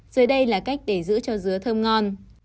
rồi đây là cách để giữ cho dứa thơm ngon